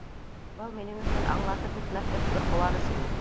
Был минең өсөн аңлатып бөтмәҫлек ҙур ҡыуаныс ине.